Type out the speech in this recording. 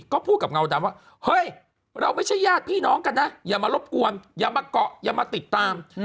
ก็พูดกับเงาดำว่าเฮ้ยเราไม่ใช่ญาติพี่น้องกันนะอย่ามารบกวนอย่ามาเกาะอย่ามาติดตาม